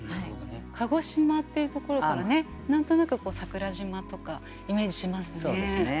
鹿児島っていうところからね何となく桜島とかイメージしますね。